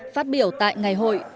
phát biểu tại ngày hội